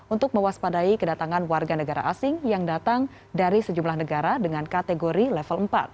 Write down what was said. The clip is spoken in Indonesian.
untuk mewaspadai kedatangan warga negara asing yang datang dari sejumlah negara dengan kategori level empat